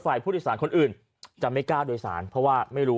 ผู้โดยสารคนอื่นจะไม่กล้าโดยสารเพราะว่าไม่รู้